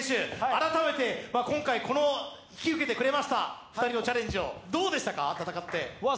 改めて今回、引き受けてくれました、２人のチャレンジを、戦ってどうでしたか？